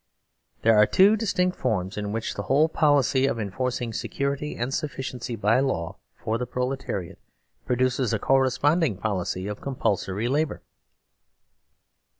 There are two distinct forms in which the whole policy of enforcing security and sufficiency by law for the proletariat produce a corresponding policy of compulsory labour.